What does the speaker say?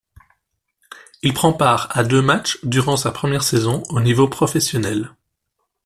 Il prend part à deux matchs durant sa première saison au niveau professionnel.